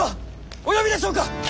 お呼びでしょうか！